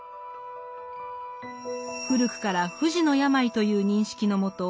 古くから不治の病という認識のもと